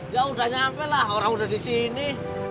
ya udah nyampe lah orang udah di sini